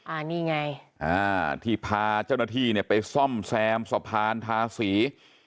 อันนี้ไงอ่าที่พาเจ้าหน้าที่เนี่ยไปซ่อมแซมสะพานทาสี